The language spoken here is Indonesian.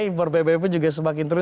impor bbm juga semakin turun